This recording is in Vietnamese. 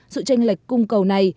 sự tranh lệch cung cầu này